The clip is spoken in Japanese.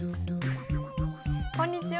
こんにちは。